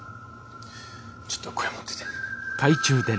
ちょっとこれ持ってて。